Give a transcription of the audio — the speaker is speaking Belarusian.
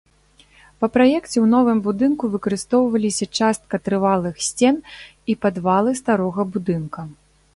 Па праекце ў новым будынку выкарыстоўваліся частка трывалых сцен і падвалы старога будынка.